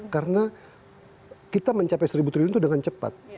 karena kita mencapai satu triliun itu dengan cepat